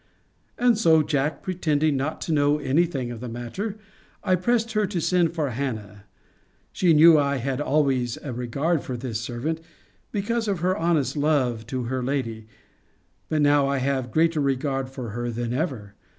And so, Jack, pretending not to know any thing of the matter, I pressed her to send for Hannah. She knew I had always a regard for this servant, because of her honest love to her lady: but now I have greater regard for her than ever.